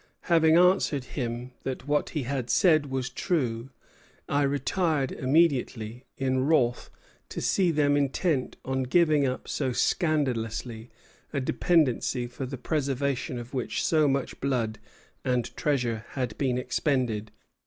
Having answered him that what he had said was true, I retired immediately, in wrath to see them intent on giving up so scandalously a dependency for the preservation of which so much blood and treasure had been expended."